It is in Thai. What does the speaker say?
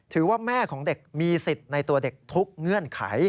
แม่ของเด็กมีสิทธิ์ในตัวเด็กทุกเงื่อนไข